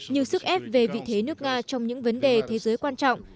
như sức ép về vị thế nước nga trong những vấn đề thế giới quan trọng